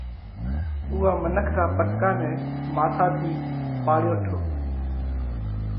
اُوئا منک را پٽڪا نئہ ماٿا ٿِي پاڙيو هٺو۔